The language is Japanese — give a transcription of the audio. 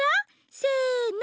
せの！